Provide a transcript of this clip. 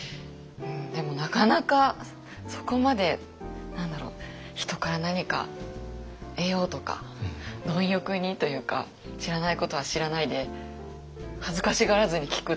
でもなかなかそこまで何だろう人から何か得ようとか貪欲にというか知らないことは知らないで恥ずかしがらずに聞くとか。